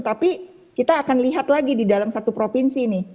tapi kita akan lihat lagi di dalam satu provinsi nih